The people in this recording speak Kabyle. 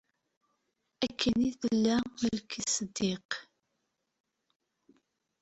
Akken i t-illa Malki Ṣidiq.